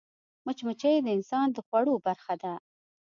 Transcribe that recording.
مچمچۍ د انسان د خوړو برخه ده